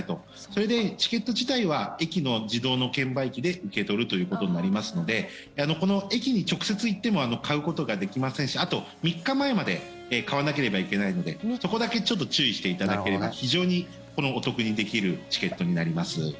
それでチケット自体は駅の自動の券売機で受け取るということになりますので駅に直接行っても買うことができませんしあと、３日前までに買わなければいけないのでそこだけ、ちょっと注意していただければ非常にお得にできるチケットになります。